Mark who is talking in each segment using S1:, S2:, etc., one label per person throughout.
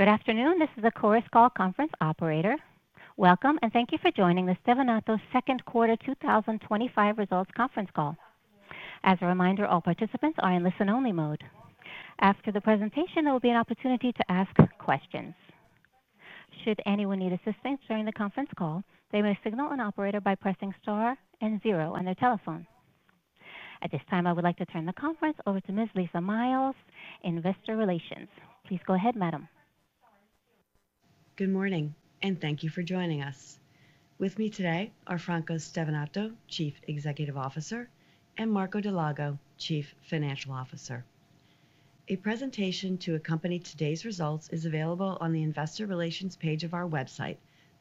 S1: Good afternoon. This is a course call conference operator. Welcome and thank you for joining the Stevanato Group second quarter 2025 results conference call. As a reminder, all participants are in listen-only mode. After the presentation, there will be an opportunity to ask questions. Should anyone need assistance during the conference call, they may signal an operator by pressing star and zero on their telephone. At this time, I would like to turn the conference over to Ms. Lisa Miles, Head of Investor Relations. Please go ahead, madam.
S2: Good morning and thank you for joining us. With me today are Franco Stevanato, Chief Executive Officer, and Marco Dal Lago, Chief Financial Officer. A presentation to accompany today's results is available on the investor relations page of our website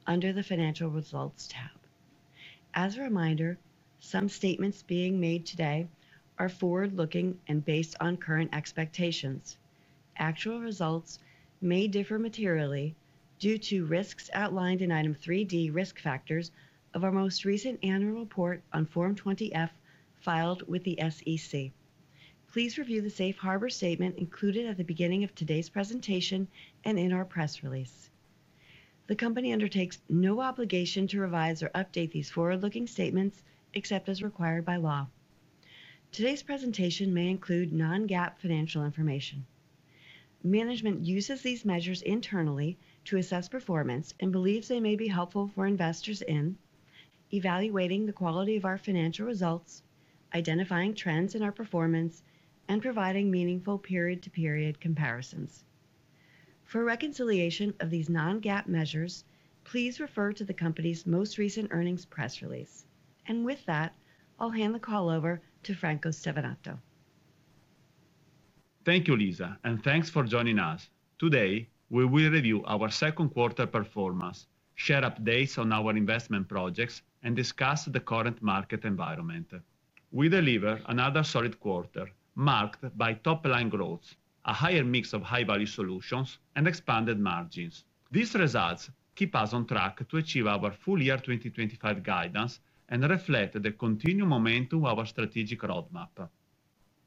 S2: under the Financial Results tab. As a reminder, some statements being made today are forward-looking and based on current expectations. Actual results may differ materially due to risks outlined in item 3D risk factors of our most recent annual report on Form 20-F filed with the SEC. Please review the safe harbor statement included at the beginning of today's presentation and in our press release. The company undertakes no obligation to revise or update these forward-looking statements except as required by law. Today's presentation may include non-GAAP financial information. Management uses these measures internally to assess performance and believes they may be helpful for investors in evaluating the quality of our financial results, identifying trends in our performance, and providing meaningful period-to-period comparisons. For reconciliation of these non-GAAP measures, please refer to the company's most recent earnings press release. I'll hand the call over to Franco Stevanato.
S3: Thank you, Lisa, and thanks for joining us. Today, we will review our second quarter performance, share updates on our investment projects, and discuss the current market environment. We delivered another solid quarter marked by top-line growth, a higher mix of high-value solutions, and expanded margins. These results keep us on track to achieve our full year 2025 guidance and reflect the continued momentum of our strategic roadmap.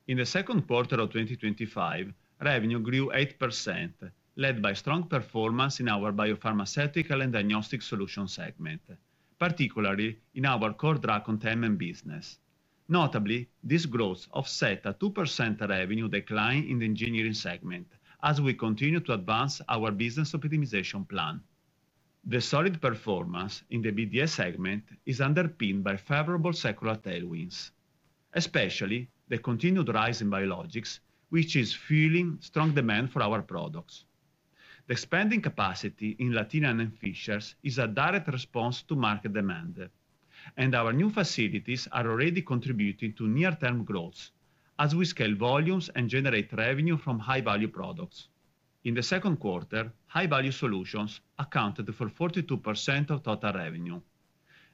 S3: In the second quarter of 2025, revenue grew 8%, led by strong performance in our Biopharmaceutical and Diagnostic Solutions segment, particularly in our core drug containment business. Notably, this growth offset a 2% revenue decline in the engineering segment as we continue to advance our business optimization plan. The solid performance in the BDS segment is underpinned by favorable secular tailwinds, especially the continued rise in biologics, which is fueling strong demand for our products. The spending capacity in Latina and Fishers is a direct response to market demand, and our new facilities are already contributing to near-term growth as we scale volumes and generate revenue from high-value products. In the second quarter, high-value solutions accounted for 42% of total revenue,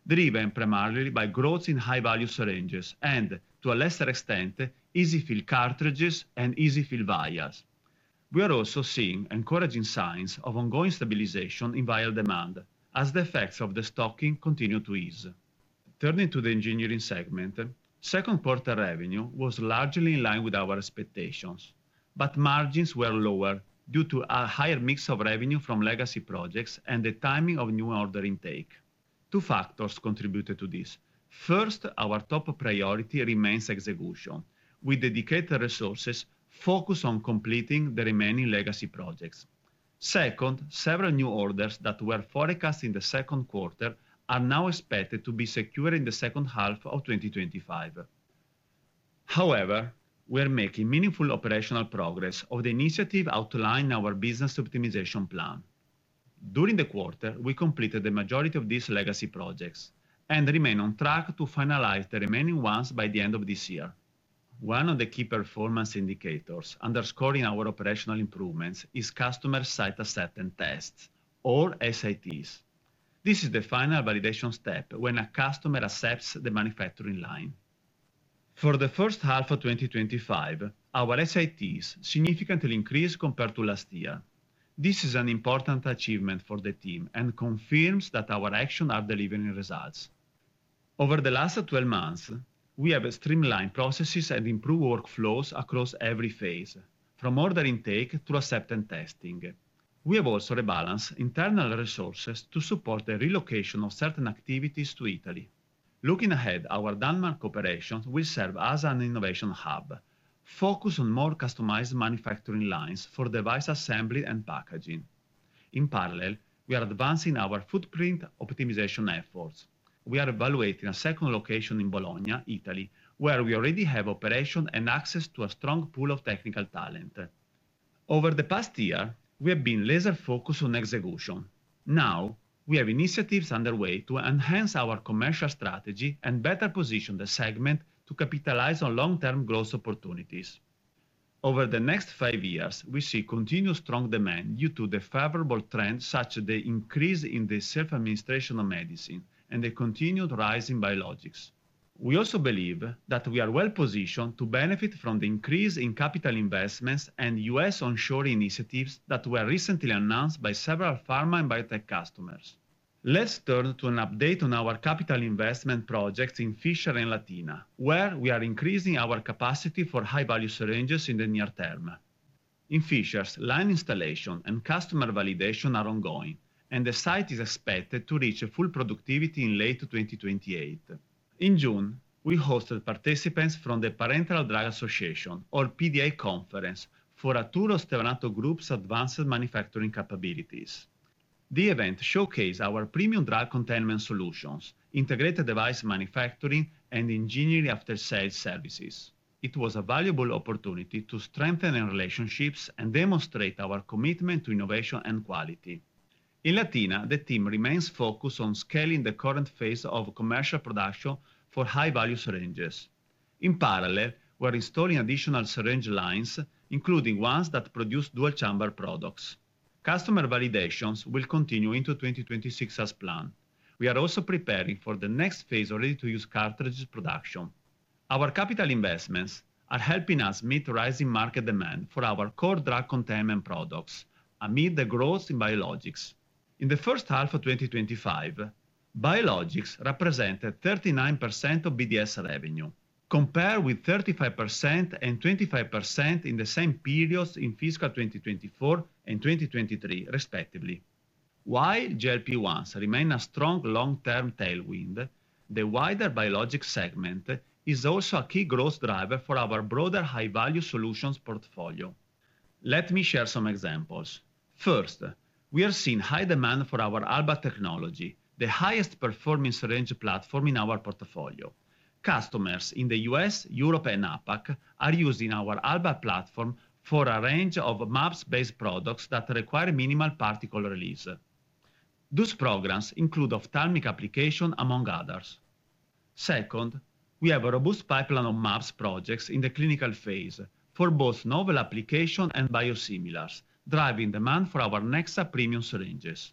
S3: driven primarily by growth in high-value syringes and, to a lesser extent, easy fill cartridges and easy fill vials. We are also seeing encouraging signs of ongoing stabilization in vial demand as the effects of the stocking continue to ease. Turning to the engineering segment, second quarter revenue was largely in line with our expectations, but margins were lower due to a higher mix of revenue from legacy projects and the timing of new order intake. Two factors contributed to this. First, our top priority remains execution, with dedicated resources focused on completing the remaining legacy projects. Second, several new orders that were forecast in the second quarter are now expected to be secured in the second half of 2025. However, we are making meaningful operational progress on the initiative outlined in our business optimization plan. During the quarter, we completed the majority of these legacy projects and remain on track to finalize the remaining ones by the end of this year. One of the key performance indicators underscoring our operational improvements is customer site assessment tests, or SATs. This is the final validation step when a customer assesses the manufacturing line. For the first half of 2025, our SATs significantly increased compared to last year. This is an important achievement for the team and confirms that our actions are delivering results. Over the last 12 months, we have streamlined processes and improved workflows across every phase, from order intake to assessment testing. We have also rebalanced internal resources to support the relocation of certain activities to Italy. Looking ahead, our Denmark operations will serve as an innovation hub, focused on more customized manufacturing lines for device assembly and packaging. In parallel, we are advancing our footprint optimization efforts. We are evaluating a second location in Bologna, Italy, where we already have operations and access to a strong pool of technical talent. Over the past year, we have been laser-focused on execution. Now, we have initiatives underway to enhance our commercial strategy and better position the segment to capitalize on long-term growth opportunities. Over the next five years, we see continued strong demand due to the favorable trends such as the increase in the self-administration of medicine and the continued rise in biologics. We also believe that we are well-positioned to benefit from the increase in capital investments and U.S. onshore initiatives that were recently announced by several pharma and biotech customers. Let's turn to an update on our capital investment projects in Fishers and Latina, where we are increasing our capacity for high-value syringes in the near term. In Fishers, line installation and customer validation are ongoing, and the site is expected to reach full productivity in late 2028. In June, we hosted participants from the Parenteral Drug Association, or PDA conference, for a tour of Stevanato Group's advanced manufacturing capabilities. The event showcased our premium drug containment solutions, integrated device manufacturing, and engineering after-sales services. It was a valuable opportunity to strengthen our relationships and demonstrate our commitment to innovation and quality. In Latina, the team remains focused on scaling the current phase of commercial production for high-value syringes. In parallel, we are installing additional syringe lines, including ones that produce dual-chamber products. Customer validations will continue into 2026 as planned. We are also preparing for the next phase of ready-to-use cartridge production. Our capital investments are helping us meet rising market demand for our core drug containment products amid the growth in biologics. In the first half of 2025, biologics represented 39% of BDS revenue, compared with 35% and 25% in the same periods in fiscal 2024 and 2023, respectively. While GLP-1s remain a strong long-term tailwind, the wider biologics segment is also a key growth driver for our broader high-value solutions portfolio. Let me share some examples. First, we are seeing high demand for our Alba technology, the highest-performing syringe platform in our portfolio. Customers in the U.S., Europe, and APAC are using our Alba platform for a range of MAPS-based products that require minimal particle release. These programs include ophthalmic applications, among others. Second, we have a robust pipeline of MAPS projects in the clinical phase for both novel applications and biosimilars, driving demand for our Nexa premium syringes.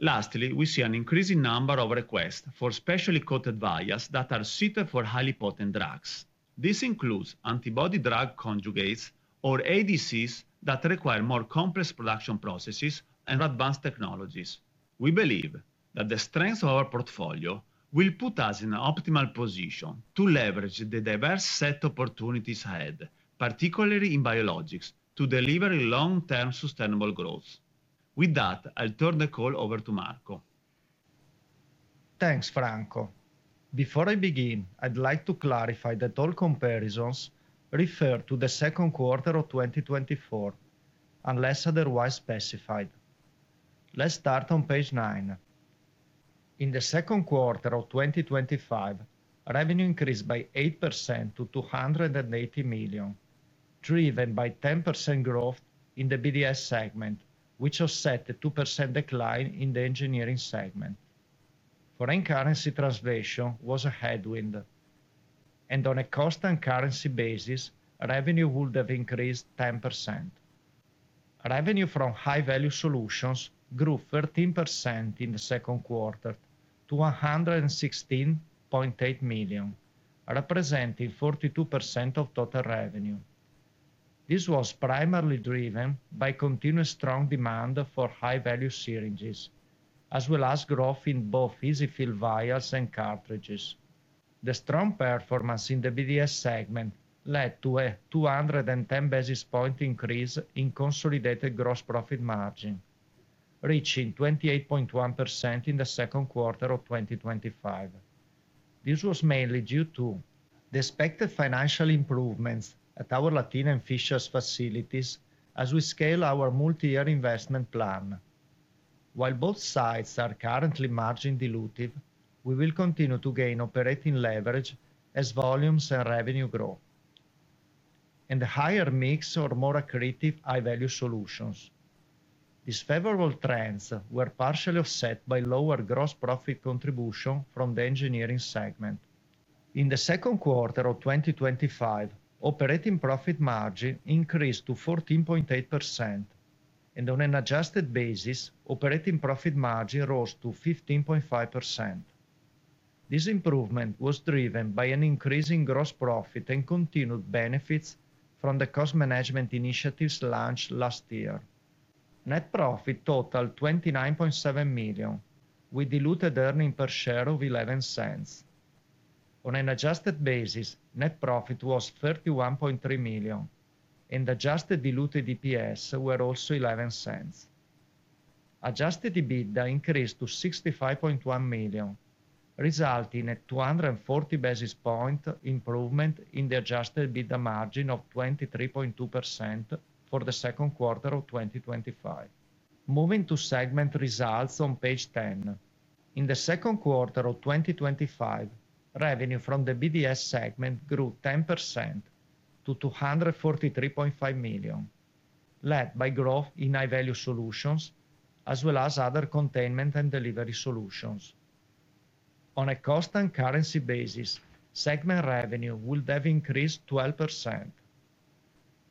S3: Lastly, we see an increasing number of requests for specially coated vials that are suited for highly potent drugs. This includes antibody drug conjugates, or ADCs, that require more complex production processes and advanced technologies. We believe that the strengths of our portfolio will put us in an optimal position to leverage the diverse set of opportunities ahead, particularly in biologics, to deliver long-term sustainable growth. With that, I'll turn the call over to Marco.
S4: Thanks, Franco. Before I begin, I'd like to clarify that all comparisons refer to the second quarter of 2024, unless otherwise specified. Let's start on page nine. In the second quarter of 2025, revenue increased by 8% to $280 million, driven by 10% growth in the BDS segment, which offset the 2% decline in the engineering segment. Foreign currency translation was a headwind, and on a cost and currency basis, revenue would have increased 10%. Revenue from high-value solutions grew 13% in the second quarter to $116.8 million, representing 42% of total revenue. This was primarily driven by continued strong demand for high-value syringes, as well as growth in both easy fill vials and cartridges. The strong performance in the BDS segment led to a 210 basis point increase in consolidated gross profit margin, reaching 28.1% in the second quarter of 2025. This was mainly due to the expected financial improvements at our Latina and Fishers facilities as we scale our multi-year investment plan. While both sites are currently margin dilutive, we will continue to gain operating leverage as volumes and revenue grow and a higher mix or more accretive high-value solutions. These favorable trends were partially offset by lower gross profit contribution from the engineering segment. In the second quarter of 2025, operating profit margin increased to 14.8%, and on an adjusted basis, operating profit margin rose to 15.5%. This improvement was driven by an increase in gross profit and continued benefits from the cost management initiatives launched last year. Net profit totaled $29.7 million, with diluted earnings per share of $0.11. On an adjusted basis, net profit was $31.3 million, and adjusted diluted EPS were also $0.11. Adjusted EBITDA increased to $65.1 million, resulting in a 240 basis point improvement in the adjusted EBITDA margin of 23.2% for the second quarter of 2025. Moving to segment results on page 10, in the second quarter of 2025, revenue from the BDS segment grew 10% to $243.5 million, led by growth in high-value solutions, as well as other containment and delivery solutions. On a cost and currency basis, segment revenue would have increased 12%.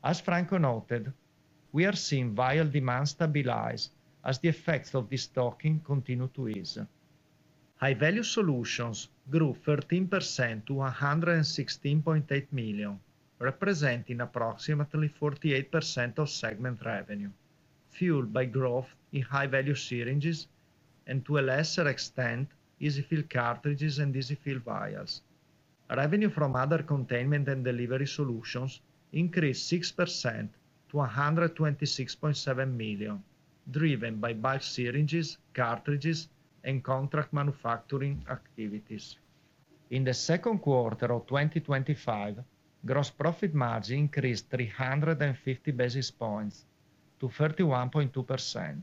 S4: As Franco noted, we are seeing vial demand stabilize as the effects of the stocking continue to ease. High-value solutions grew 13% to $116.8 million, representing approximately 48% of segment revenue, fueled by growth in high-value syringes and, to a lesser extent, easy fill cartridges and easy fill vials. Revenue from other containment and delivery solutions increased 6% to $126.7 million, driven by bulk syringes, cartridges, and contract manufacturing activities. In the second quarter of 2025, gross profit margin increased 350 basis points to 31.2%.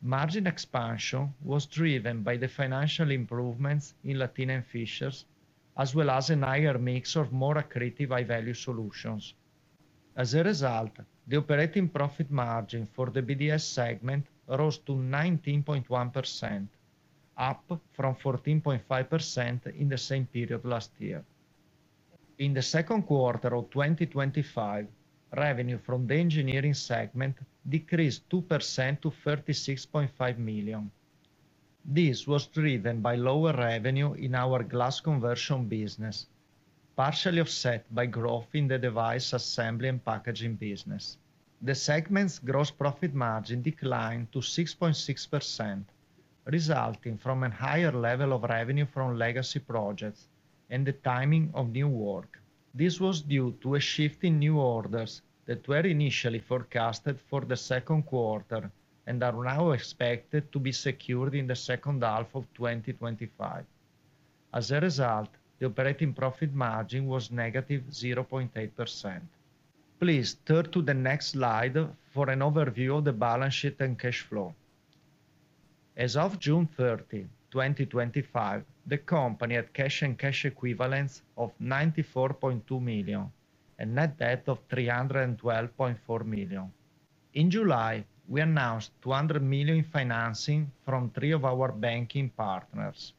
S4: Margin expansion was driven by the financial improvements in Latina and Fishers, as well as a higher mix of more accretive high-value solutions. As a result, the operating profit margin for the BDS segment rose to 19.1%, up from 14.5% in the same period last year. In the second quarter of 2025, revenue from the engineering segment decreased 2% to $36.5 million. This was driven by lower revenue in our glass conversion business, partially offset by growth in the device assembly and packaging business. The segment's gross profit margin declined to 6.6%, resulting from a higher level of revenue from legacy projects and the timing of new work. This was due to a shift in new orders that were initially forecasted for the second quarter and are now expected to be secured in the second half of 2025. As a result, the operating profit margin was negative 0.8%. Please turn to the next slide for an overview of the balance sheet and cash flow. As of June 30, 2025, the company had cash and cash equivalents of $94.2 million and a net debt of $312.4 million. In July, we announced $200 million in financing from three of our banking partners.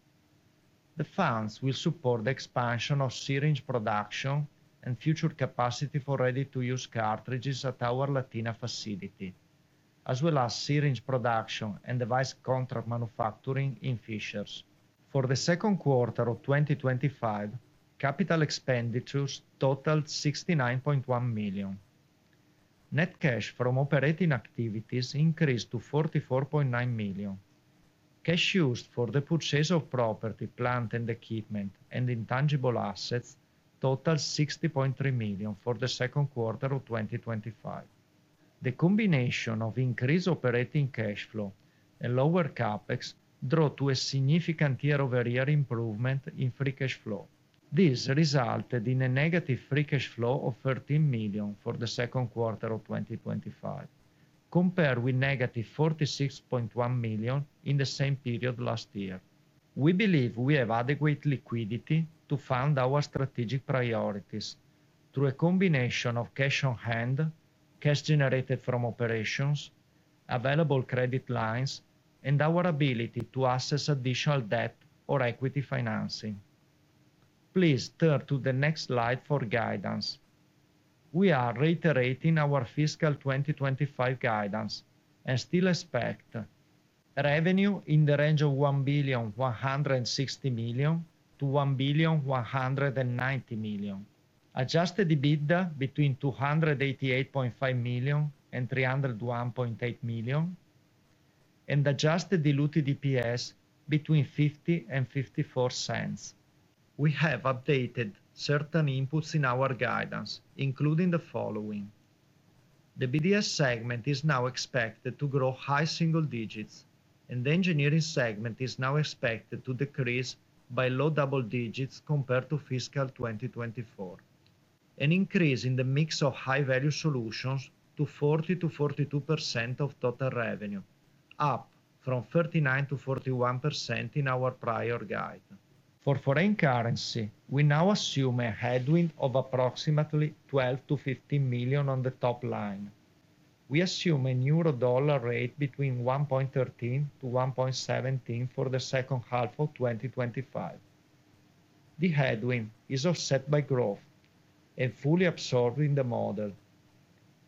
S4: The funds will support the expansion of syringe production and future capacity for ready-to-use cartridges at our Latina facility, as well as syringe production and device contract manufacturing in Fishers. For the second quarter of 2025, capital expenditures totaled $69.1 million. Net cash from operating activities increased to $44.9 million. Cash used for the purchase of property, plant and equipment, and intangible assets totaled $60.3 million for the second quarter of 2025. The combination of increased operating cash flow and lower CapEx drove to a significant year-over-year improvement in free cash flow. This resulted in a negative free cash flow of $13 million for the second quarter of 2025, compared with negative $46.1 million in the same period last year. We believe we have adequate liquidity to fund our strategic priorities through a combination of cash on hand, cash generated from operations, available credit lines, and our ability to access additional debt or equity financing. Please turn to the next slide for guidance. We are reiterating our fiscal 2025 guidance and still expect revenue in the range of $1 billion,160 million to $1 billion,190 million, adjusted EBITDA between $288.5 million and $301.8 million, and adjusted diluted EPS between $0.50 and $0.54. We have updated certain inputs in our guidance, including the following: the BDS segment is now expected to grow high single digits, and the engineering segment is now expected to decrease by low double digits compared to fiscal 2024. An increase in the mix of high-value solutions to 40% to 42% of total revenue, up from 39% to 41% in our prior guide. For foreign currency, we now assume a headwind of approximately $12 million to $15 million on the top line. We assume a new dollar rate between 1.13 to 1.17 for the second half of 2025. The headwind is offset by growth and fully absorbed in the model.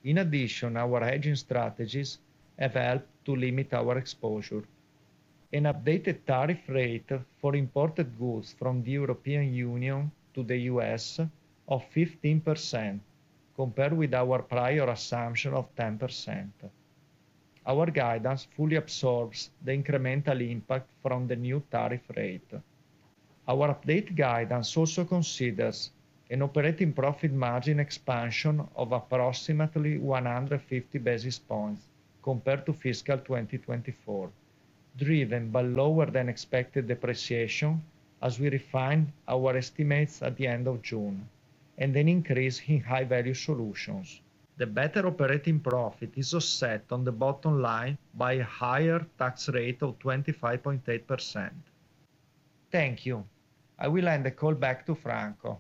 S4: In addition, our hedging strategies have helped to limit our exposure. An updated tariff rate for imported goods from the European Union to the U.S. of 15% compared with our prior assumption of 10%. Our guidance fully absorbs the incremental impact from the new tariff rate. Our updated guidance also considers an operating profit margin expansion of approximately 150 basis points compared to fiscal 2024, driven by lower than expected depreciation as we refined our estimates at the end of June and an increase in high-value solutions. The better operating profit is offset on the bottom line by a higher tax rate of 25.8%. Thank you. I will hand the call back to Franco.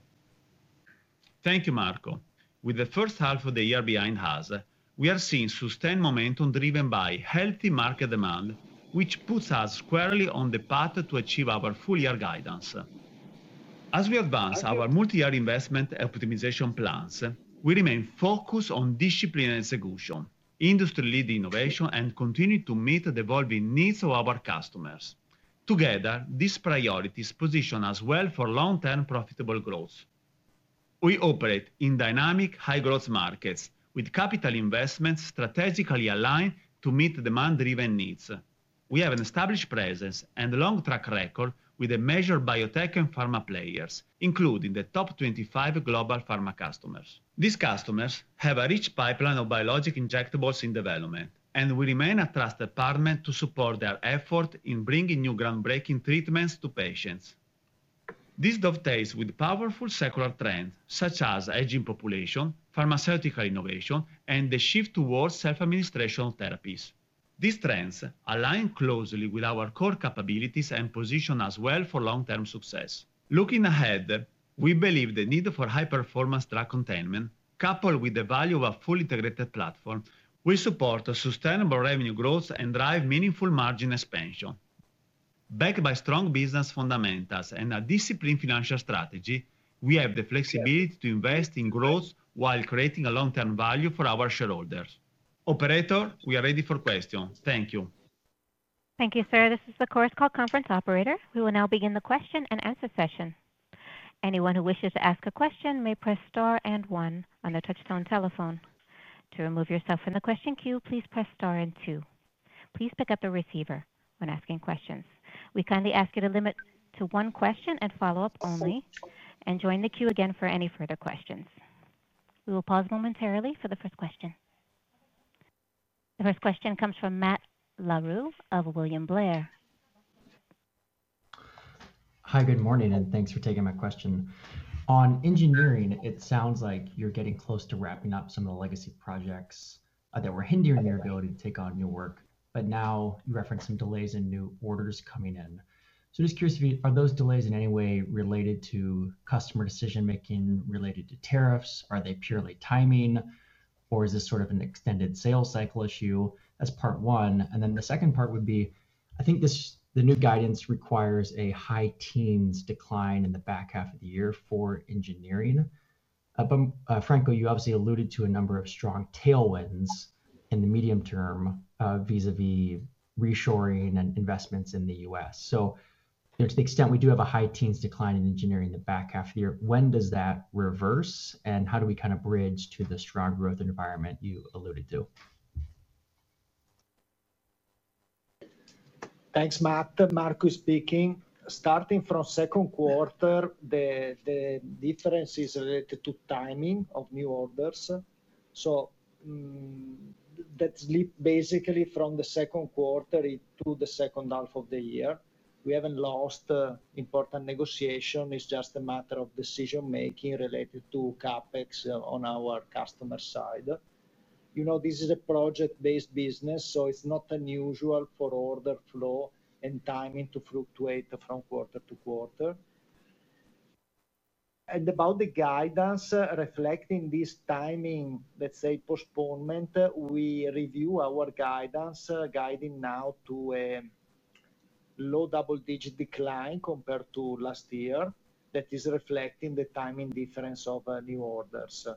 S3: Thank you, Marco. With the first half of the year behind us, we are seeing sustained momentum driven by healthy market demand, which puts us squarely on the path to achieve our full year guidance. As we advance our multi-year investment optimization plans, we remain focused on disciplined execution, industry-leading innovation, and continue to meet the evolving needs of our customers. Together, these priorities position us well for long-term profitable growth. We operate in dynamic, high-growth markets with capital investments strategically aligned to meet demand-driven needs. We have an established presence and a long track record with the major biotech and pharma players, including the top 25 global pharma customers. These customers have a rich pipeline of biologic injectables in development, and we remain a trusted partner to support their effort in bringing new groundbreaking treatments to patients. This dovetails with powerful secular trends, such as aging population, pharmaceutical innovation, and the shift towards self-administration therapies. These trends align closely with our core capabilities and position us well for long-term success. Looking ahead, we believe the need for high-performance drug containment, coupled with the value of a fully integrated platform, will support sustainable revenue growth and drive meaningful margin expansion. Backed by strong business fundamentals and a disciplined financial strategy, we have the flexibility to invest in growth while creating a long-term value for our shareholders. Operator, we are ready for questions. Thank you.
S1: Thank you, sir. This is the course call conference operator. We will now begin the question and answer session. Anyone who wishes to ask a question may press star and one on the touchstone telephone. To remove yourself from the question queue, please press star and two. Please pick up the receiver when asking questions. We kindly ask you to limit to one question and follow up only and join the queue again for any further questions. We will pause momentarily for the first question. The first question comes from Matt Larew of William Blair.
S5: Hi, good morning, and thanks for taking my question. On engineering, it sounds like you're getting close to wrapping up some of the legacy projects that were hindering your ability to take on new work, but now you referenced some delays in new orders coming in. Just curious if those delays are in any way related to customer decision-making related to tariffs. Are they purely timing, or is this sort of an extended sales cycle issue? That's part one. The second part would be, I think the new guidance requires a high teens decline in the back half of the year for engineering. Franco, you obviously alluded to a number of strong tailwinds in the medium term vis-à-vis reshoring and investments in the U.S. To the extent we do have a high teens decline in engineering in the back half of the year, when does that reverse and how do we kind of bridge to the strong growth environment you alluded to?
S4: Thanks, Matt. That's Marco speaking. Starting from the second quarter, the difference is related to timing of new orders. That's basically from the second quarter to the second half of the year. We haven't lost important negotiations. It's just a matter of decision-making related to CapEx on our customer side. This is a project-based business, so it's not unusual for order flow and timing to fluctuate from quarter to quarter. About the guidance, reflecting this timing, let's say postponement, we review our guidance, guiding now to a low double-digit decline compared to last year that is reflecting the timing difference of new orders.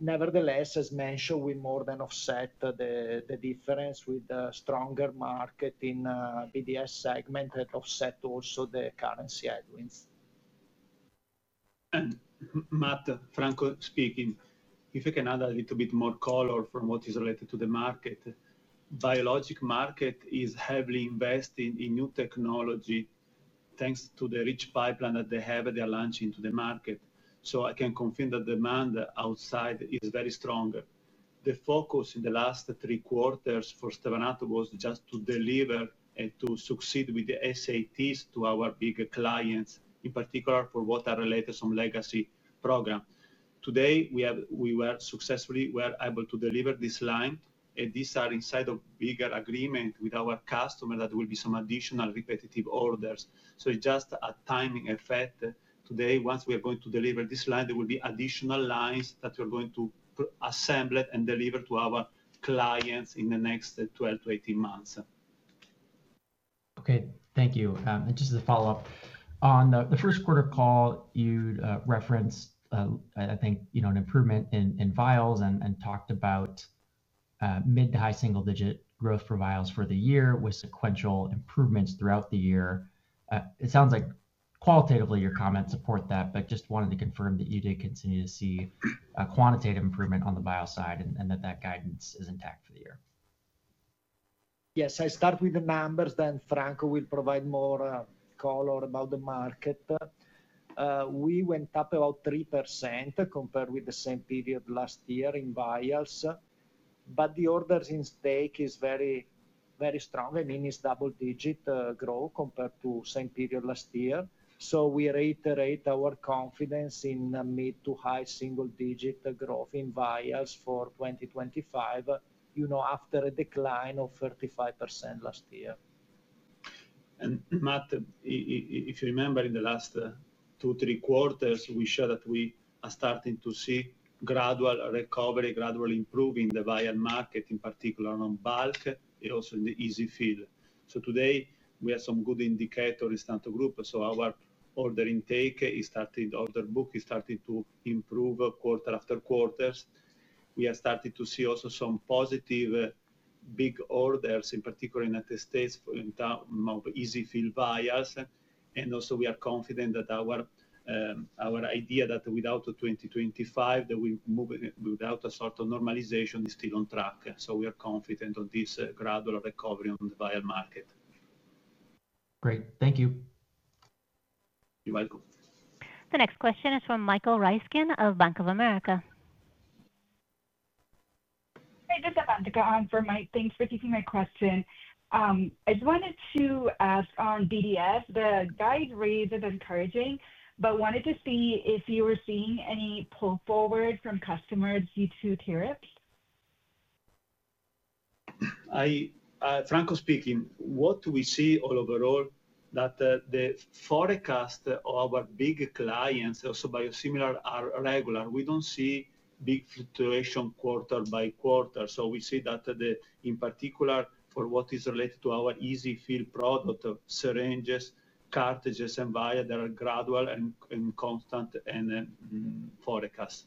S4: Nevertheless, as mentioned, we more than offset the difference with a stronger market in the BDS segment that offset also the currency headwinds.
S3: Matt, Franco speaking. If I can add a little bit more color from what is related to the market, the biologics market is heavily investing in new technology thanks to the rich pipeline that they have at their launch into the market. I can confirm that demand outside is very strong. The focus in the last three quarters for Stevanato was just to deliver and to succeed with the SATs to our big clients, in particular for what are related to some legacy programs. Today, we were successfully able to deliver this line, and these are inside of bigger agreements with our customers that will be some additional repetitive orders. It's just a timing effect. Today, once we are going to deliver this line, there will be additional lines that we are going to assemble and deliver to our clients in the next 12 to 18 months.
S5: Okay. Thank you. Just as a follow-up, on the first quarter call, you referenced, I think, you know, an improvement in vials and talked about mid to high single-digit growth for vials for the year with sequential improvements throughout the year. It sounds like qualitatively your comments support that, but just wanted to confirm that you did continue to see quantitative improvement on the vial side and that that guidance is intact for the year.
S4: Yes. I start with the numbers, then Franco will provide more color about the market. We went up about 3% compared with the same period last year in vials, but the orders in stake are very, very strong. I mean, it's double-digit growth compared to the same period last year. We reiterate our confidence in mid to high single-digit growth in vials for 2025, you know, after a decline of 35% last year.
S3: Matt, if you remember, in the last two, three quarters, we showed that we are starting to see gradual recovery, gradual improvement in the vial market, in particular on bulk, but also in the easy fill. Today, we have some good indicators in Stevanato Group. Our order intake is starting to, order book is starting to improve quarter after quarter. We are starting to see also some positive big orders, in particular in the United States, in terms of easy fill vials. We are confident that our idea that without 2025, that we move without a sort of normalization is still on track. We are confident of this gradual recovery on the vial market.
S5: Great. Thank you.
S4: You're welcome.
S1: The next question is from Michael Ryskin of Bank of America. Hey, just about to go on for Mike. Thanks for taking my question. I just wanted to ask on BDS, the guide reads as encouraging, but wanted to see if you were seeing any pull forward from customers due to tariff.
S3: Franco speaking. What do we see overall? The forecast of our big clients, also biosimilar, are regular. We don't see big fluctuation quarter by quarter. We see that in particular for what is related to our easy fill product, syringes, cartridges, and vials, they are gradual and constant in forecasts.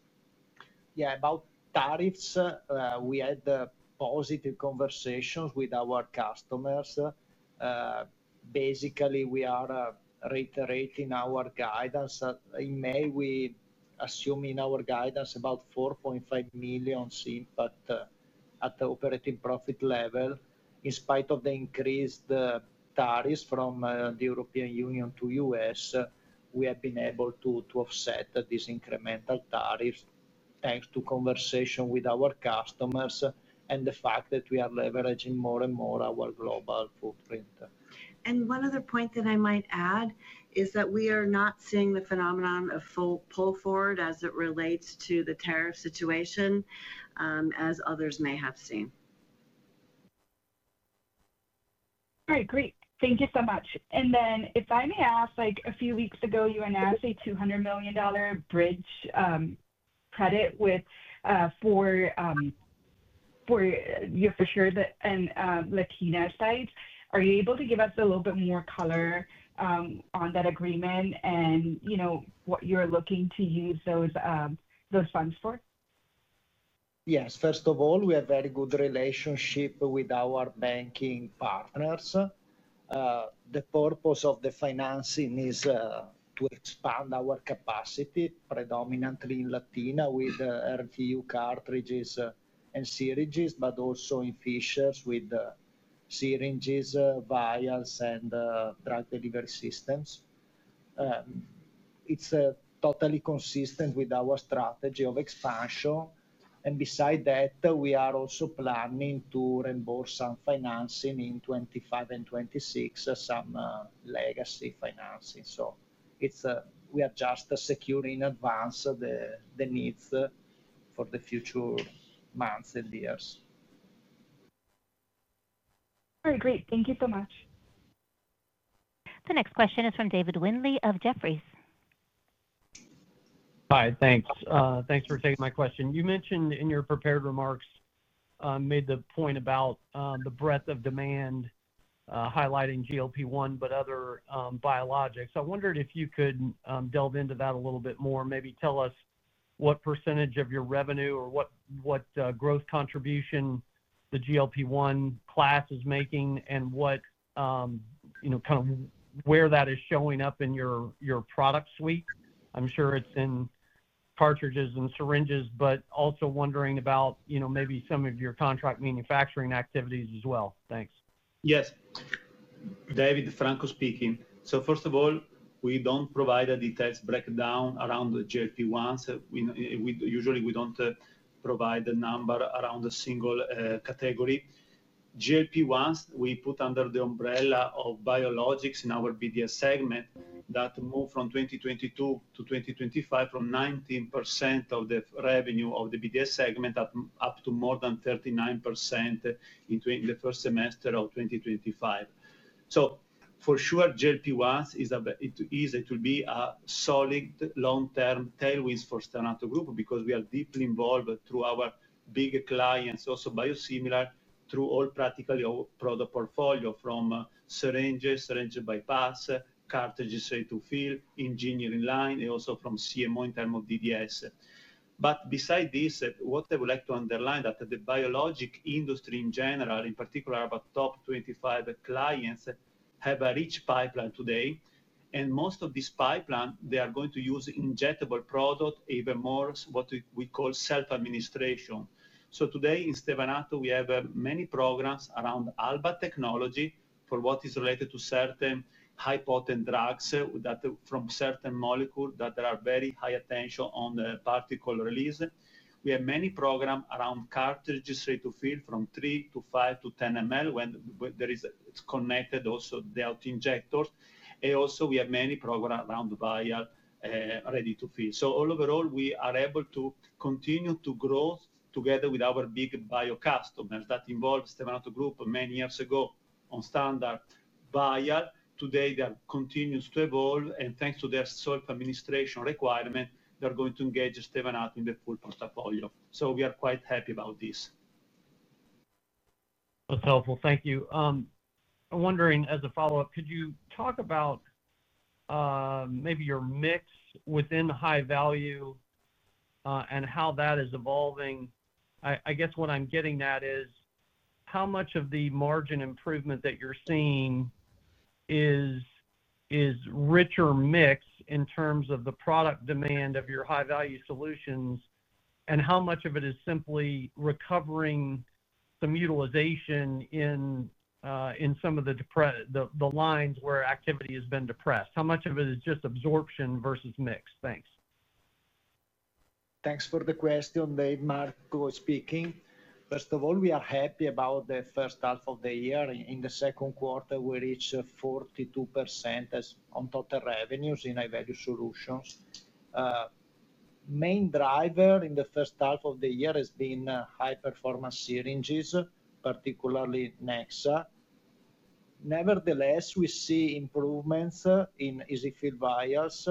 S3: Yeah, about tariffs, we had positive conversations with our customers. Basically, we are reiterating our guidance. In May, we assume in our guidance about $4.5 million CIMPAT at the operating profit level. In spite of the increased tariffs from the European Union to the U.S., we have been able to offset these incremental tariffs thanks to conversations with our customers and the fact that we are leveraging more and more our global footprint.
S2: One other point that I might add is that we are not seeing the phenomenon of full pull forward as it relates to the tariff situation, as others may have seen. All right. Great. Thank you so much. If I may ask, a few weeks ago, you announced a $200 million bridge credit with your Fishers and Latina site. Are you able to give us a little bit more color on that agreement and what you're looking to use those funds for?
S4: Yes. First of all, we have a very good relationship with our banking partners. The purpose of the financing is to expand our capacity, predominantly in Latina with RTU cartridges and syringes, but also in Fishers with syringes, vials, and drug delivery systems. It's totally consistent with our strategy of expansion. Besides that, we are also planning to reimburse some financing in 2025 and 2026, some legacy financing. We are just securing in advance the needs for the future months and years. All right. Great. Thank you so much.
S1: The next question is from David Windley of Jefferies.
S6: Hi. Thanks. Thanks for taking my question. You mentioned in your prepared remarks, I made the point about the breadth of demand, highlighting GLP-1, but other biologics. I wondered if you could delve into that a little bit more, maybe tell us what % of your revenue or what growth contribution the GLP-1 class is making and what, you know, kind of where that is showing up in your product suite. I'm sure it's in cartridges and syringes, but also wondering about, you know, maybe some of your contract manufacturing activities as well. Thanks.
S3: Yes. David, Franco speaking. First of all, we don't provide a detailed breakdown around the GLP-1s. Usually, we don't provide a number around a single category. GLP-1s we put under the umbrella of biologics in our BDS segment that move from 2022 to 2025 from 19% of the revenue of the BDS segment up to more than 39% in the first semester of 2025. For sure, GLP-1s will be a solid long-term tailwind for Stevanato Group because we are deeply involved through our big clients, also biosimilar, through all practically our product portfolio from syringes, syringe bypass, cartridges, ready to fill, engineering line, and also from CMO in terms of DDS. Beside this, what I would like to underline is that the biologics industry in general, in particular our top 25 clients, have a rich pipeline today. Most of this pipeline, they are going to use injectable products, even more what we call self-administration. Today in Stevanato, we have many programs around Alba technology for what is related to certain high-potent drugs that from certain molecules that are very high attention on the particle release. We have many programs around cartridges, ready to fill from 3 to 5 to 10 mL when it's connected also to the injectors. We have many programs around vial ready to fill. Overall, we are able to continue to grow together with our big bio customers that involved Stevanato Group many years ago on standard vial. Today, they continue to evolve, and thanks to their self-administration requirement, they're going to engage Stevanato in the full portfolio. We are quite happy about this.
S6: That's helpful. Thank you. I'm wondering, as a follow-up, could you talk about maybe your mix within the high value and how that is evolving? I guess what I'm getting at is how much of the margin improvement that you're seeing is richer mix in terms of the product demand of your high-value solutions, and how much of it is simply recovering some utilization in some of the lines where activity has been depressed. How much of it is just absorption versus mix? Thanks.
S4: Thanks for the question, David. Marco speaking. First of all, we are happy about the first half of the year. In the second quarter, we reached 42% on total revenues in high-value solutions. The main driver in the first half of the year has been high-performance syringes, particularly Nexa. Nevertheless, we see improvements in EZ-fill® vials,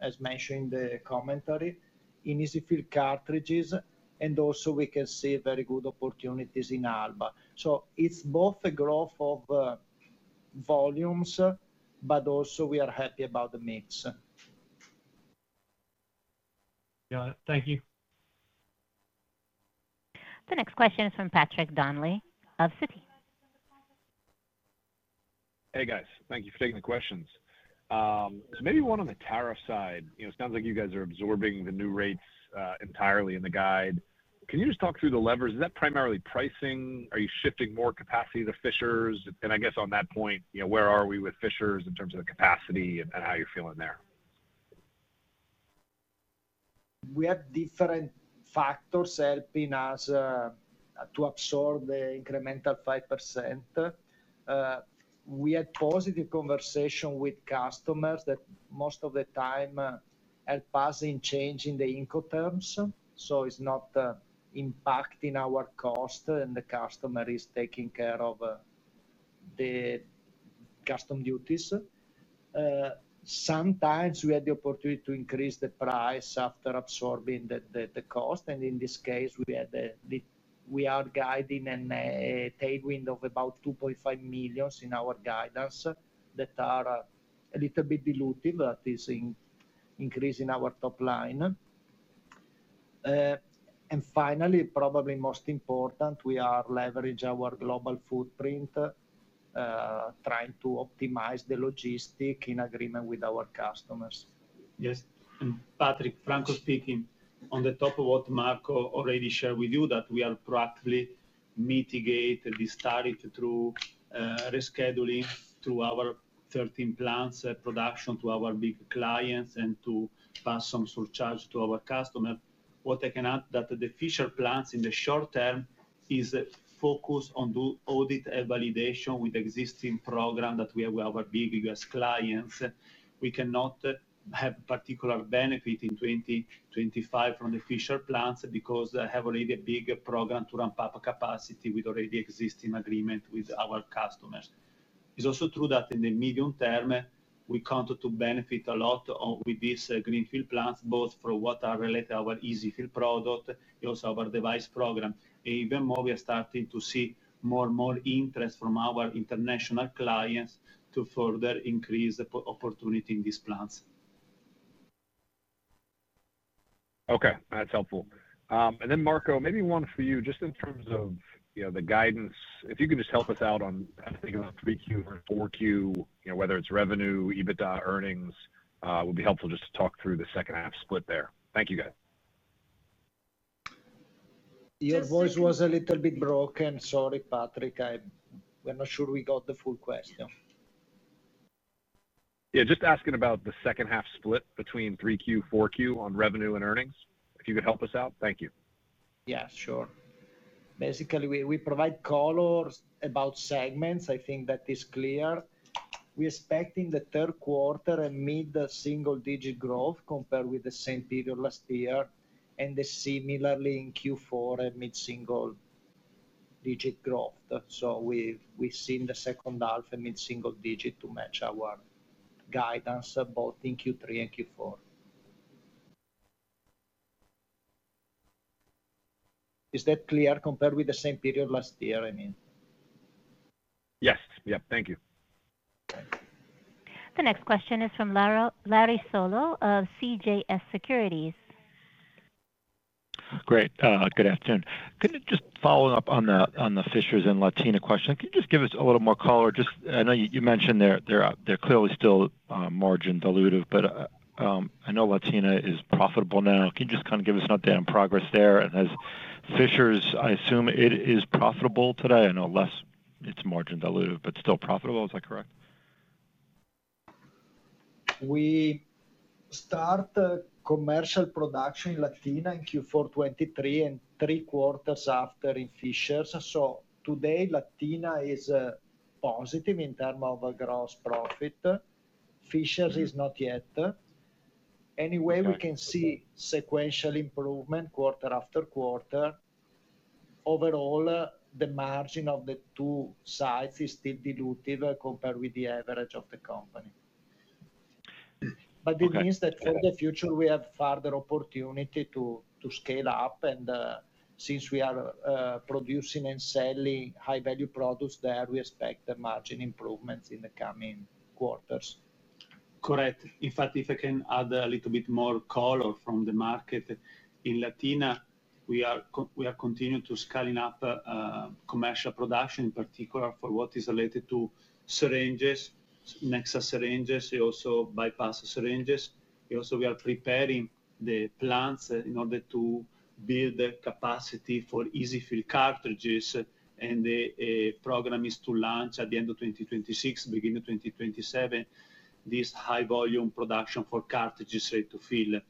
S4: as mentioned in the commentary, in EZ-fill® cartridges, and also we can see very good opportunities in Alba® syringes. It's both a growth of volumes, but also we are happy about the mix.
S6: Got it. Thank you.
S1: The next question is from Patrick Donnelly of Citi.
S7: Hey, guys. Thank you for taking the questions. Maybe one on the tariff side. It sounds like you guys are absorbing the new rates entirely in the guide. Can you just talk through the levers? Is that primarily pricing? Are you shifting more capacity to Fishers? On that point, where are we with Fishers in terms of the capacity and how you're feeling there?
S4: We have different factors helping us to absorb the incremental 5%. We had positive conversations with customers that most of the time help us in changing the income terms. It's not impacting our cost, and the customer is taking care of the custom duties. Sometimes we had the opportunity to increase the price after absorbing the cost. In this case, we are guiding a tailwind of about $2.5 million in our guidance that is a little bit dilutive, but is increasing our top line. Finally, probably most important, we are leveraging our global footprint, trying to optimize the logistics in agreement with our customers.
S3: Yes. Patrick, Franco speaking. On top of what Marco already shared with you, we are proactively mitigating the tariff through rescheduling through our 13 plants' production to our big clients and passing some surcharge to our customers. What I can add is that the Fishers plants in the short term are focused on doing audit and validation with the existing program that we have with our big U.S. clients. We cannot have a particular benefit in 2025 from the Fishers plants because they already have a big program to ramp up capacity with already existing agreements with our customers. It is also true that in the medium term, we count to benefit a lot with these greenfield plants, both for what is related to our easy fill product and also our device program. Even more, we are starting to see more and more interest from our international clients to further increase the opportunity in these plants.
S7: Okay. That's helpful. Marco, maybe one for you just in terms of the guidance. If you can just help us out on I was thinking about 3Q or 4Q, you know, whether it's revenue, EBITDA, earnings, it would be helpful just to talk through the second-half split there. Thank you, guys.
S4: Your voice was a little bit broken. Sorry, Patrick. I'm not sure we got the full question.
S7: Yeah, just asking about the second-half split between 3Q, 4Q on revenue and earnings. If you could help us out, thank you.
S4: Yeah, sure. Basically, we provide colors about segments. I think that is clear. We're expecting the third quarter a mid-single-digit growth compared with the same period last year, and similarly in Q4 a mid-single-digit growth. We've seen the second half a mid-single-digit to match our guidance both in Q3 and Q4. Is that clear compared with the same period last year, I mean?
S7: Yes, thank you.
S1: The next question is from Larry Solow of CJS Securities.
S8: Great. Good afternoon. Could you just follow up on the Fishers and Latina question? Can you just give us a little more color? I know you mentioned they're clearly still margin dilutive, but I know Latina is profitable now. Can you just kind of give us an update on progress there? Has Fishers, I assume, it is profitable today? I know it's margin dilutive, but still profitable. Is that correct?
S4: We start commercial production in Latina in Q4 2023 and three quarters after in Fishers. Today, Latina is positive in terms of gross profit. Fishers is not yet. Anyway, we can see sequential improvement quarter after quarter. Overall, the margin of the two sites is still dilutive compared with the average of the company. It means that for the future, we have further opportunity to scale up. Since we are producing and selling high-value products there, we expect the margin improvements in the coming quarters.
S3: Correct. In fact, if I can add a little bit more color from the market, in Latina, we are continuing to scale up commercial production, in particular for what is related to syringes, Nexa syringes, and also bypass syringes. We are preparing the plants in order to build capacity for easy fill cartridges, and the program is to launch at the end of 2026, beginning of 2027, this high-volume production for cartridges free to fill.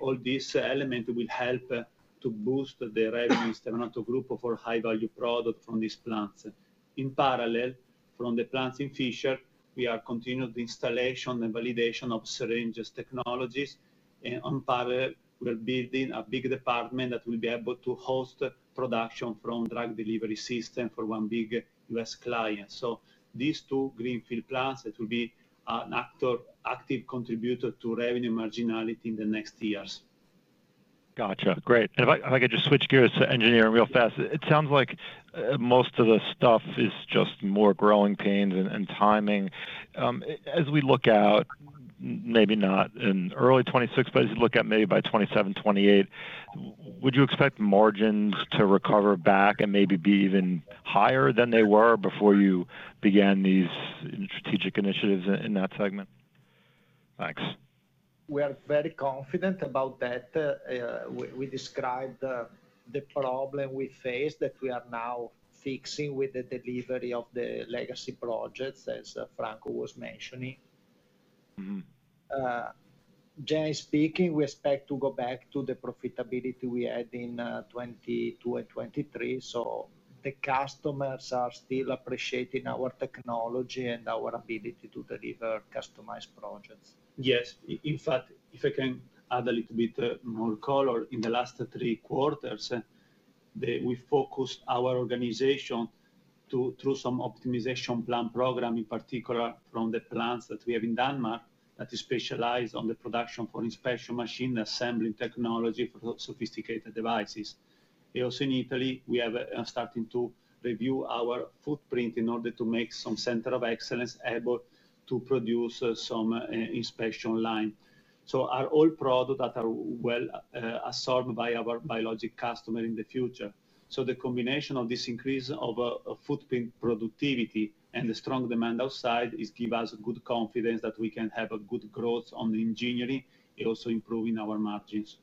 S3: All these elements will help to boost the revenue in Stevanato Group for high-value products from these plants. In parallel, from the plants in Fishers, we are continuing the installation and validation of syringes technologies. In parallel, we are building a big department that will be able to host production from drug delivery systems for one big U.S. client. These two greenfield plants will be an active contributor to revenue marginality in the next years.
S8: Gotcha. Great. If I could just switch gears to engineering real fast, it sounds like most of the stuff is just more growing pains and timing. As we look out, maybe not in early 2026, but as you look out maybe by 27, 28, would you expect margins to recover back and maybe be even higher than they were before you began these strategic initiatives in that segment?
S4: Thanks. We are very confident about that. We described the problem we face that we are now fixing with the delivery of the legacy projects, as Franco was mentioning. Generally speaking, we expect to go back to the profitability we had in 2022 and 2023. The customers are still appreciating our technology and our ability to deliver customized projects.
S3: Yes. In fact, if I can add a little bit more color, in the last three quarters, we focused our organization through some optimization plan program, in particular from the plants that we have in Denmark that specialize in the production for inspection machine assembly technology for sophisticated devices. Also, in Italy, we are starting to review our footprint in order to make some center of excellence able to produce some inspection lines. Our old products that are well absorbed by our biologics customers in the future. The combination of this increase of footprint productivity and the strong demand outside gives us good confidence that we can have a good growth on the engineering and also improving our margins.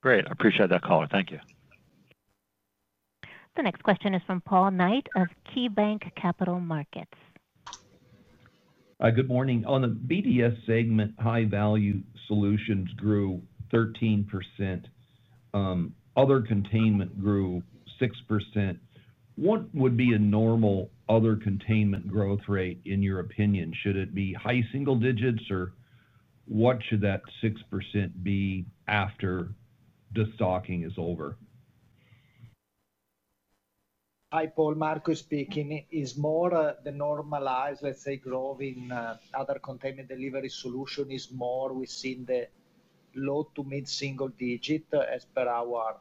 S8: Great. I appreciate that color. Thank you.
S1: The next question is from Paul Knight of KeyBanc Capital Markets.
S9: Good morning. On the BDS segment, high-value solutions grew 13%. Other containment grew 6%. What would be a normal other containment growth rate, in your opinion? Should it be high single digits, or what should that 6% be after the stocking is over?
S4: Hi, Paul. Marco speaking. It's more the normalized, let's say, growth in other containment delivery solutions is more within the low to mid-single digit as per our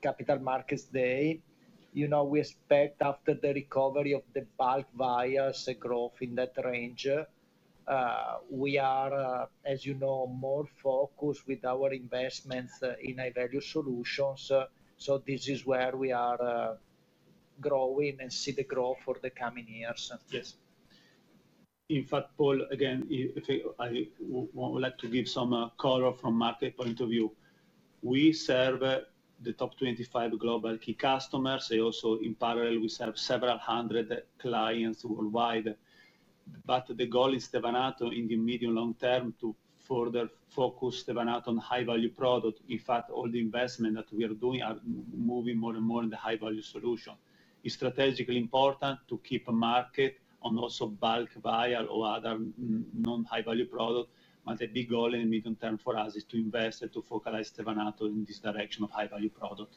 S4: Capital Markets Day. We expect after the recovery of the bulk vials growth in that range, we are, as you know, more focused with our investments in high-value solutions. This is where we are growing and see the growth for the coming years.
S3: In fact, Paul, again, I would like to give some color from a market point of view. We serve the top 25 global key customers. Also, in parallel, we serve several hundred clients worldwide. The goal in Stevanato Group in the medium-long term is to further focus Stevanato Group on high-value products. In fact, all the investments that we are doing are moving more and more in the high-value solutions. It's strategically important to keep a market on also bulk vials or other non-high-value products. The big goal in the medium term for us is to invest and to focalize Stevanato Group in this direction of high-value products.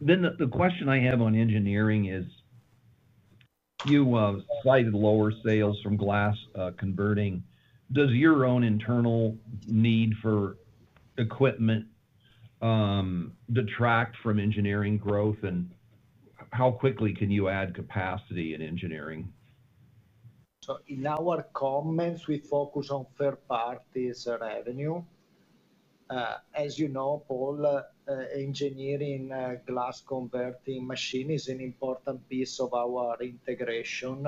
S9: The question I have on engineering is you slightly lower sales from glass converting. Does your own internal need for equipment detract from engineering growth, and how quickly can you add capacity in engineering?
S4: In our comments, we focus on third-party revenue. As you know, Paul, engineering glass converting machines is an important piece of our integration,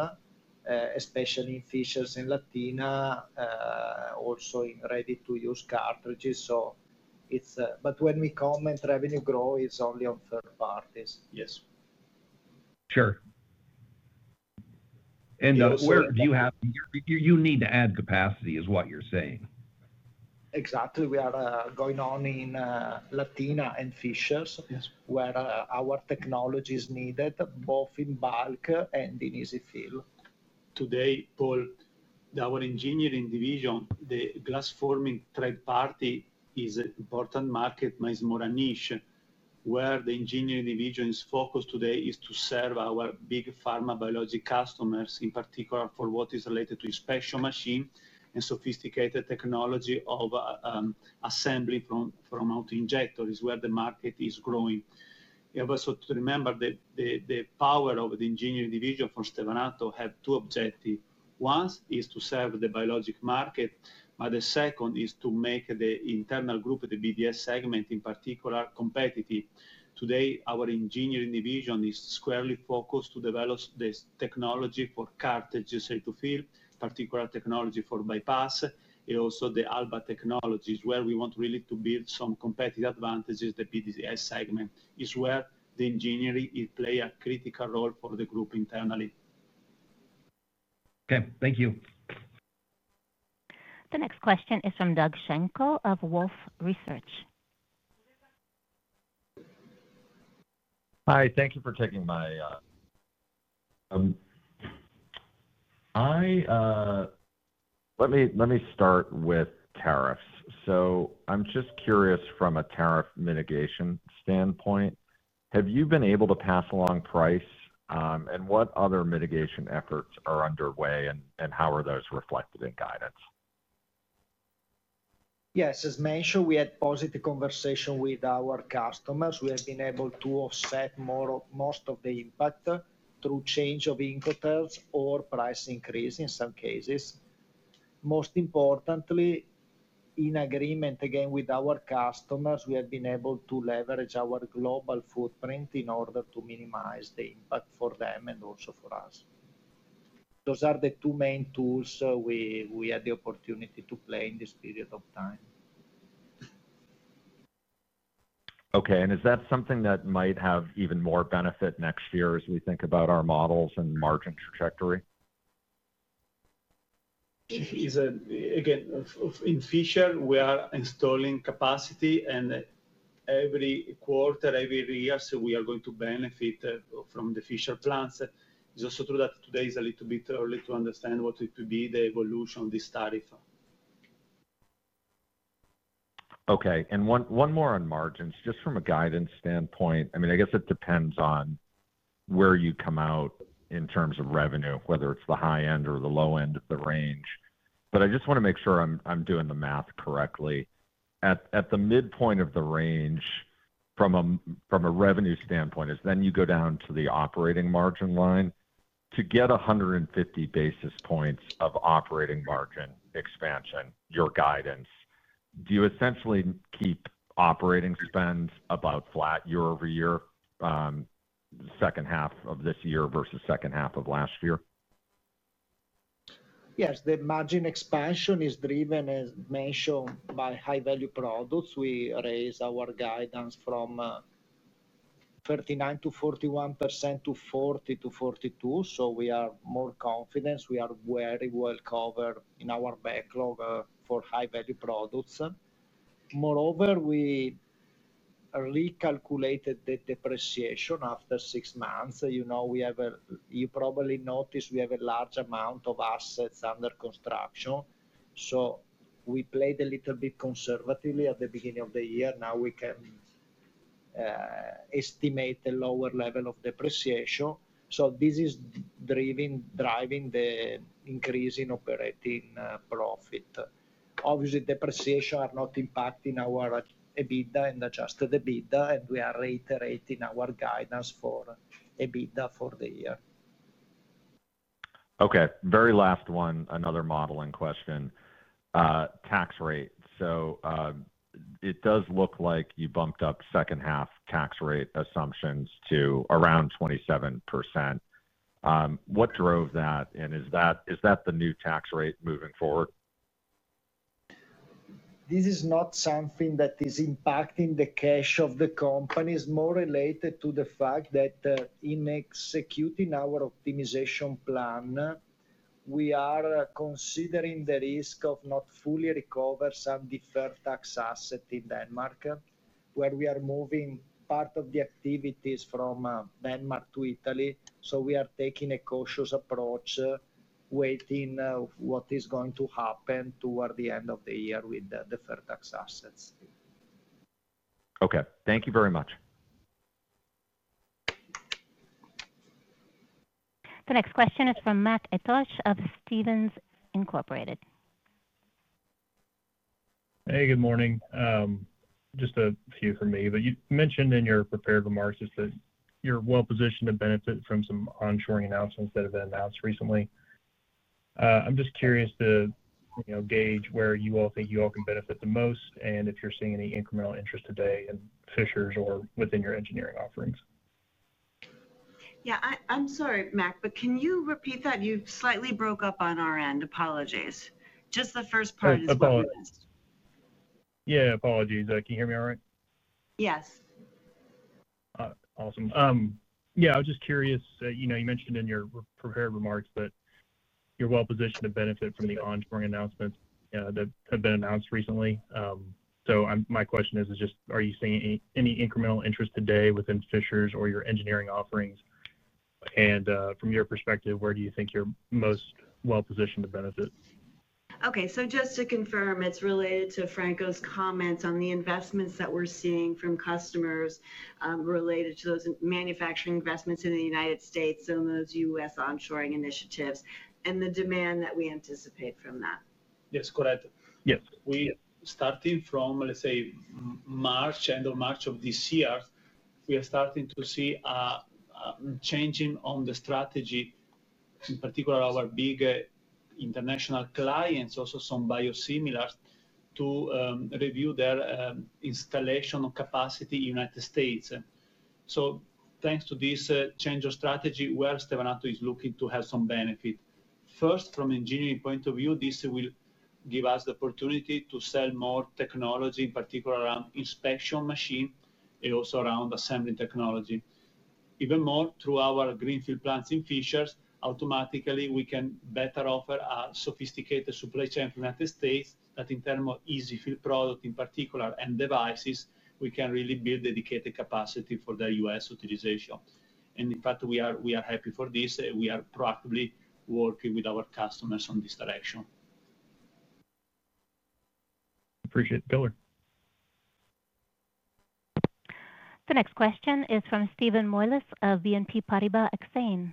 S4: especially in Fishers and Latina, also in ready-to-use cartridges. When we comment revenue growth, it's only on third parties.
S9: Yes, sure. Where do you have you need to add capacity, is what you're saying?
S4: Exactly. We are going on in Latina and Fishers where our technology is needed both in bulk and in easy fill.
S3: Today, Paul, our engineering division, the glass forming third party is an important market, but it's more a niche. Where the engineering division is focused today is to serve our big pharma biologics customers, in particular for what is related to inspection machines and sophisticated technology of assembly from auto-injectors, is where the market is growing. Also, to remember that the power of the engineering division for Stevanato Group has two objectives. One is to serve the biologics market, but the second is to make the internal group, the BDS segment in particular, competitive. Today, our engineering division is squarely focused to develop the technology for cartridges free to fill, particular technology for bypass, and also the Alba® technologies, where we want really to build some competitive advantages. The BDS segment is where the engineering plays a critical role for the group internally.
S9: Okay, thank you.
S1: The next question is from Doug Schenkel of Wolfe Research.
S10: Hi. Thank you for taking my question. Let me start with tariffs. I'm just curious from a tariff mitigation standpoint, have you been able to pass along price? What other mitigation efforts are underway, and how are those reflected in guidance?
S4: Yes. As mentioned, we had positive conversations with our customers. We have been able to offset most of the impact through change of income terms or price increases in some cases. Most importantly, in agreement again with our customers, we have been able to leverage our global footprint in order to minimize the impact for them and also for us. Those are the two main tools we had the opportunity to play in this period of time.
S10: Is that something that might have even more benefit next year as we think about our models and margin trajectory?
S3: Again, in Fishers, we are installing capacity, and every quarter, every year, we are going to benefit from the Fishers plants. It's also true that today it is a little bit early to understand what it could be the evolution of this tariff.
S10: Okay. One more on margins, just from a guidance standpoint. I guess it depends on where you come out in terms of revenue, whether it's the high end or the low end of the range. I just want to make sure I'm doing the math correctly. At the midpoint of the range, from a revenue standpoint, if you go down to the operating margin line to get 150 basis points of operating margin expansion, your guidance, do you essentially keep operating spend about flat year over year, the second half of this year versus the second half of last year?
S4: Yes. The margin expansion is driven, as mentioned, by high-value products. We raise our guidance from 39% to 41% to 40% to 42%. We are more confident. We are very well covered in our backlog for high-value products. Moreover, we recalculated the depreciation after six months. You probably noticed we have a large amount of assets under construction. We played a little bit conservatively at the beginning of the year. Now we can estimate a lower level of depreciation. This is driving the increase in operating profit. Obviously, depreciation is not impacting our EBITDA and adjusted EBITDA, and we are reiterating our guidance for EBITDA for the year.
S10: Okay. Very last one, another modeling question. Tax rate. It does look like you bumped up second-half tax rate assumptions to around 27%. What drove that? Is that the new tax rate moving forward?
S4: This is not something that is impacting the cash of the company. It's more related to the fact that in executing our optimization plan, we are considering the risk of not fully recovering some deferred tax assets in Denmark, where we are moving part of the activities from Denmark to Italy. We are taking a cautious approach, waiting what is going to happen toward the end of the year with the deferred tax assets.
S10: Okay, thank you very much.
S1: The next question is from Matt Etosh of Jefferies.
S11: Hey, good morning. Just a few from me. You mentioned in your prepared remarks that you're well-positioned to benefit from some onshoring announcements that have been announced recently. I'm just curious to gauge where you all think you all can benefit the most and if you're seeing any incremental interest today in Fishers or within your engineering offerings.
S2: Yeah. I'm sorry, Matt, can you repeat that? You slightly broke up on our end. Apologies. Just the first part is the longest.
S11: Apologies. Can you hear me all right?
S2: Yes.
S11: Awesome. I was just curious. You mentioned in your prepared remarks that you're well-positioned to benefit from the onshoring announcements that have been announced recently. My question is, are you seeing any incremental interest today within Fishers or your engineering offerings? From your perspective, where do you think you're most well-positioned to benefit?
S2: Okay. Just to confirm, it's related to Franco's comments on the investments that we're seeing from customers related to those manufacturing investments in the U.S. and those U.S. onshoring initiatives and the demand that we anticipate from that.
S3: Yes, correct. We started from, let's say, end of March of this year, we are starting to see a changing on the strategy, in particular our big international clients, also some biosimilars, to review their installation of capacity in the United States. Thanks to this change of strategy, where Stevanato is looking to have some benefit. First, from an engineering point of view, this will give us the opportunity to sell more technology, in particular around inspection machines and also around assembly technology. Even more, through our greenfield plants in Fishers, automatically, we can better offer a sophisticated supply chain for the United States that, in terms of easy fill products, in particular, and devices, we can really build dedicated capacity for the U.S. utilization. In fact, we are happy for this. We are proactively working with our customers on this direction.
S11: Appreciate it. Killer.
S1: The next question is from Steven Moyles of BNP Paribas Exane.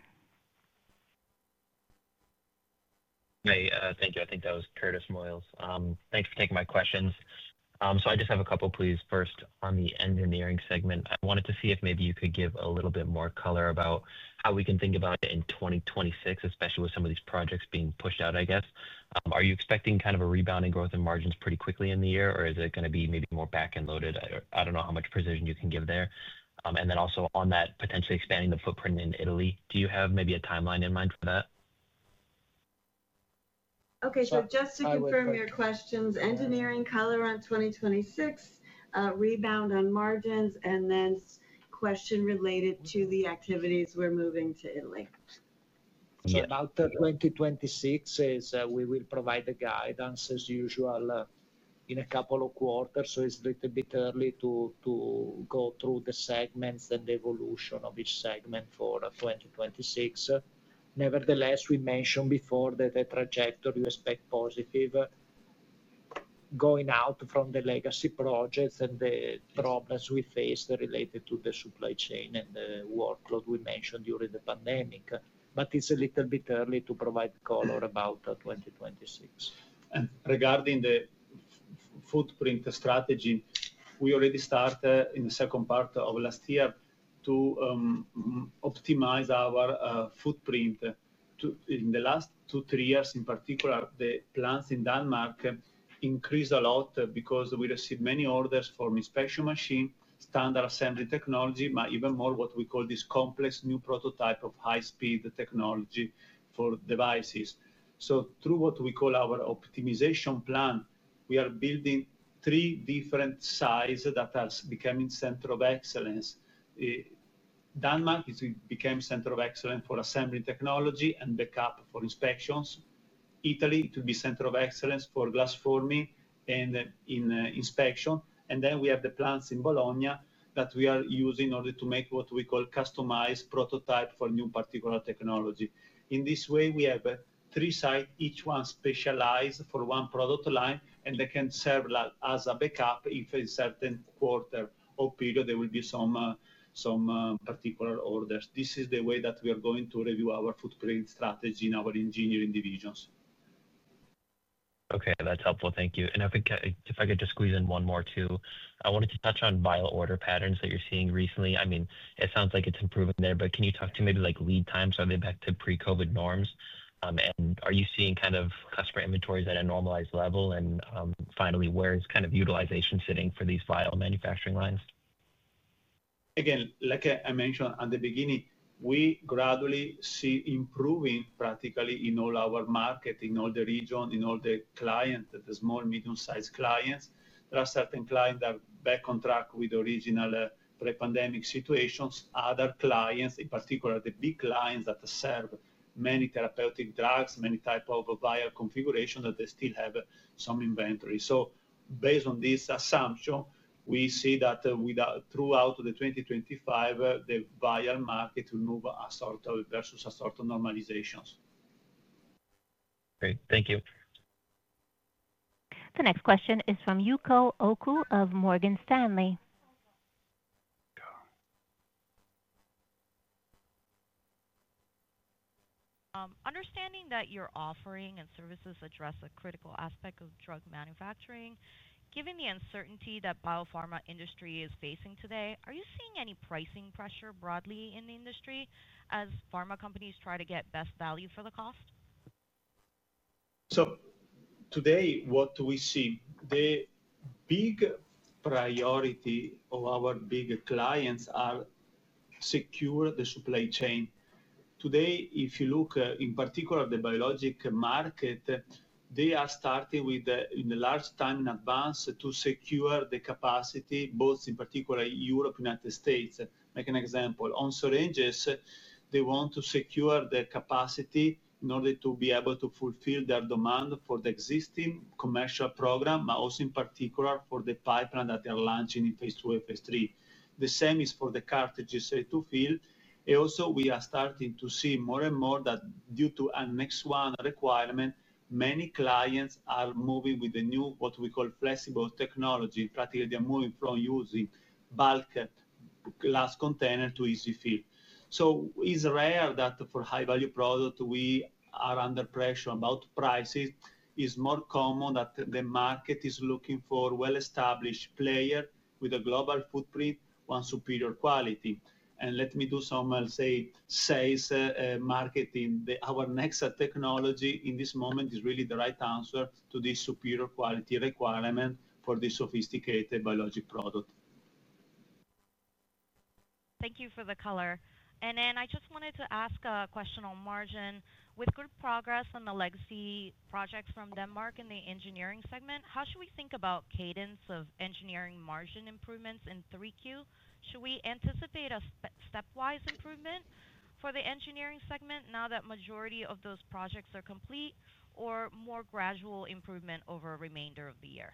S12: Hey, thank you. I think that was Curtis Moyles. Thanks for taking my questions. I just have a couple, please. First, on the engineering segment, I wanted to see if maybe you could give a little bit more color about how we can think about it in 2026, especially with some of these projects being pushed out, I guess. Are you expecting kind of a rebound in growth in margins pretty quickly in the year, or is it going to be maybe more back-end loaded? I don't know how much precision you can give there. Also on that, potentially expanding the footprint in Italy, do you have maybe a timeline in mind for that?
S2: Okay. Just to confirm your questions, engineering color on 2026, rebound on margins, and then question related to the activities we're moving to Italy.
S4: Regarding 2026, we will provide the guidance as usual in a couple of quarters. It's a little bit early to go through the segments and the evolution of each segment for 2026. Nevertheless, we mentioned before that the trajectory is positive, going out from the legacy projects and the problems we face related to the supply chain and the workload we mentioned during the pandemic. It's a little bit early to provide color about 2026.
S3: Regarding the footprint strategy, we already started in the second part of last year to optimize our footprint. In the last two or three years, in particular, the plants in Denmark increased a lot because we received many orders from inspection machines, standard assembly technology, but even more what we call this complex new prototype of high-speed technology for devices. Through what we call our optimization plan, we are building three different sites that are becoming centers of excellence. Denmark became a center of excellence for assembly technology and backup for inspections. Italy could be a center of excellence for glass forming and in inspection. We have the plants in Bologna that we are using in order to make what we call customized prototypes for new particular technology. In this way, we have three sites, each one specialized for one product line, and they can serve as a backup if in a certain quarter or period there will be some particular orders. This is the way that we are going to review our footprint strategy in our engineering divisions.
S12: Okay. That's helpful. Thank you. If I could just squeeze in one more too, I wanted to touch on vial order patterns that you're seeing recently. I mean, it sounds like it's improving there, but can you talk to maybe like lead times? Are they back to pre-COVID norms? Are you seeing kind of customer inventories at a normalized level? Finally, where is kind of utilization sitting for these vial manufacturing lines?
S3: Again, like I mentioned at the beginning, we gradually see improving practically in all our markets, in all the regions, in all the clients, the small, medium-sized clients. There are certain clients that are back on track with the original pre-pandemic situations. Other clients, in particular the big clients that serve many therapeutic drugs, many types of vial configurations, still have some inventory. Based on this assumption, we see that throughout 2025, the vial market will move versus a sort of normalization.
S12: Great. Thank you.
S1: The next question is from Yuko Oku of Morgan Stanley.
S13: Understanding that your offering and services address a critical aspect of drug manufacturing, given the uncertainty that the biopharma industry is facing today, are you seeing any pricing pressure broadly in the industry as pharma companies try to get best value for the cost?
S3: Today, what do we see? The big priority of our big clients is to secure the supply chain. Today, if you look in particular at the biologics market, they are starting with a large time in advance to secure the capacity, both in particular in Europe and the United States. To make an example, on syringes, they want to secure their capacity in order to be able to fulfill their demand for the existing commercial program, but also in particular for the pipeline that they are launching in phase two, phase three. The same is for the cartridges ready to fill. We are starting to see more and more that due to the Nexa requirement, many clients are moving with the new, what we call, flexible technology. Practically, they are moving from using bulk glass containers to easy fill. It is rare that for high-value products, we are under pressure about prices. It is more common that the market is looking for a well-established player with a global footprint, one superior quality. Let me do some, I'll say, sales marketing. Our Nexa technology in this moment is really the right answer to this superior quality requirement for this sophisticated biologics product.
S13: Thank you for the color. I just wanted to ask a question on margin. With good progress on the legacy projects from Denmark in the engineering segment, how should we think about the cadence of engineering margin improvements in 3Q? Should we anticipate a stepwise improvement for the engineering segment now that the majority of those projects are complete, or more gradual improvement over the remainder of the year?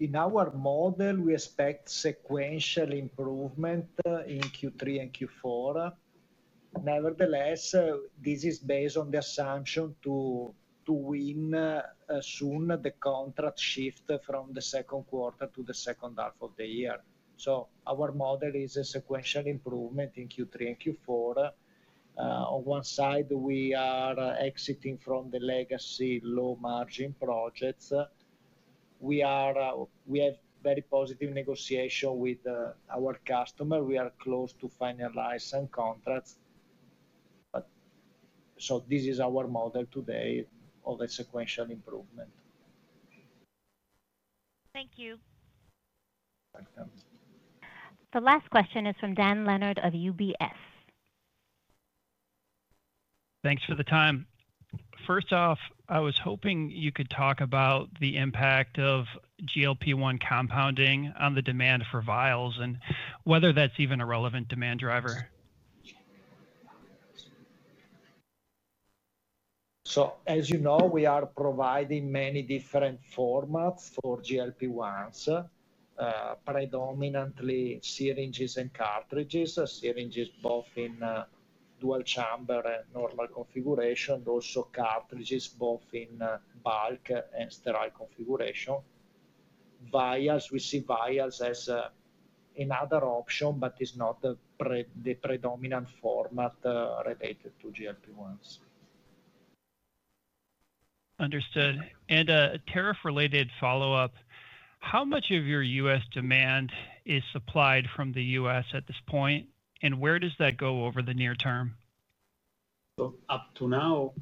S4: In our model, we expect sequential improvement in Q3 and Q4. Nevertheless, this is based on the assumption to win soon the contract shift from the second quarter to the second half of the year. Our model is a sequential improvement in Q3 and Q4. On one side, we are exiting from the legacy low-margin projects. We have very positive negotiations with our customers, and we are close to finalizing contracts. This is our model today of the sequential improvement.
S13: Thank you.
S1: The last question is from Dan Leonard of UBS.
S14: Thanks for the time. First off, I was hoping you could talk about the impact of GLP-1 compounding on the demand for vials and whether that's even a relevant demand driver.
S4: As you know, we are providing many different formats for GLP-1s, predominantly syringes and cartridges, syringes both in dual chamber and normal configuration, and also cartridges both in bulk and sterile configuration. Vials, we see vials as another option, but it's not the predominant format related to GLP-1s.
S14: Understood. A tariff-related follow-up: how much of your U.S. demand is supplied from the U.S. at this point, and where does that go over the near term?
S3: Up to now,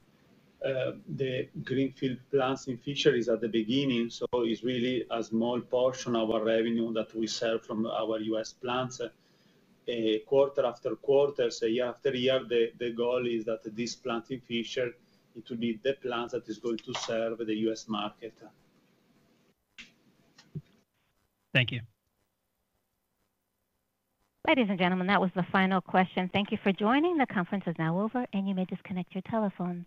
S3: the greenfield plants in Fishers are at the beginning. It's really a small portion of our revenue that we sell from our U.S. plants. Quarter after quarter, year after year, the goal is that these plants in Fishers need to be the plants that are going to serve the U.S. market.
S5: Thank you.
S1: Ladies and gentlemen, that was the final question. Thank you for joining. The conference is now over, and you may disconnect your telephone.